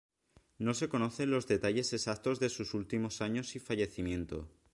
No se conocen los detalles exactos de sus últimos años y fallecimiento.